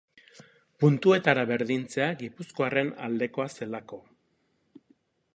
Puntuetara berdintzea gipuzkoarren aldekoa zelako.